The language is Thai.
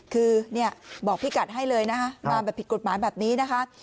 คือเนี่ยบอกพี่กัดให้เลยนะคะมาแบบผิดกฎหมายแบบนี้นะคะ